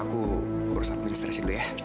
aku urusan administrasi dulu ya